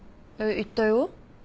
言ったよ。